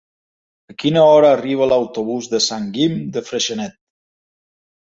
A quina hora arriba l'autobús de Sant Guim de Freixenet?